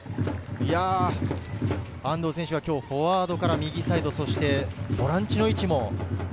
安藤選手はフォワードから右サイド、そしてボランチの位置も。